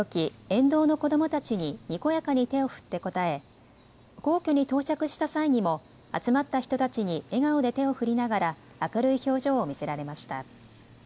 沿道の子どもたちににこやかに手を振って応え、皇居に到着した際にも集まった人たちに笑顔で手を振りながら明るい表情を見せられました。